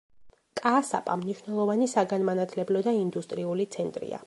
კაასაპა მნიშვნელოვანი საგანმანათლებლო და ინდუსტრიული ცენტრია.